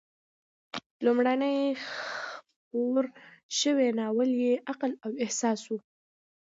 لومړنی خپور شوی ناول یې "عقل او احساس" و.